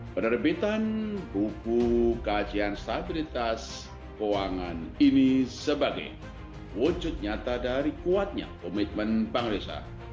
penerbitan buku kajian stabilitas keuangan ini sebagai wujud nyata dari kuatnya komitmen bangsa